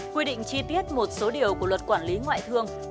quy định chi tiết một số điều của luật quản lý ngoại thương